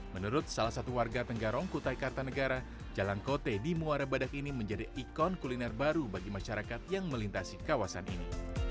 menurut salah satu warga tenggarong kutai kartanegara jalan kote di muara badak ini menjadi ikon kuliner baru bagi masyarakat yang melintasi kawasan ini